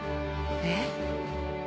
えっ？